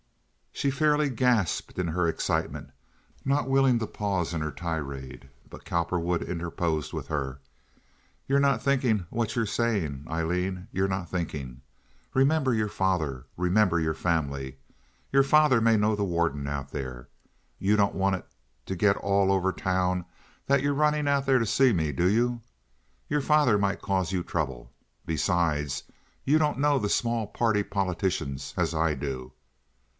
She fairly gasped in her excitement, not willing to pause in her tirade, but Cowperwood interposed with her, "You're not thinking what you're saying, Aileen. You're not thinking. Remember your father! Remember your family! Your father may know the warden out there. You don't want it to get all over town that you're running out there to see me, do you? Your father might cause you trouble. Besides you don't know the small party politicians as I do.